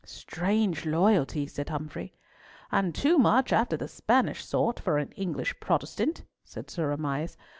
"Strange loyalty," said Humfrey. "And too much after the Spanish sort for an English Protestant," said Sir Amias.